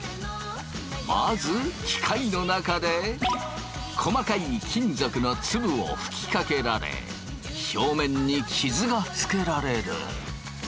まず機械の中で細かい金属の粒を吹きかけられ表面に傷がつけられる。